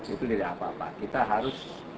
itu tidak apa apa kita harus